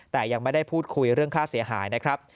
แต่ยังไม่ได้พูดคุยเรื่องค่าเสียหายนะครับ